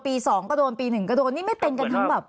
๒ก็โดนปี๑ก็โดนนี่ไม่เป็นกันทั้งแบบ